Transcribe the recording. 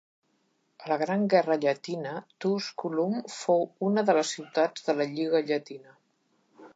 A la gran guerra llatina, Túsculum fou una de les ciutats de la Lliga llatina.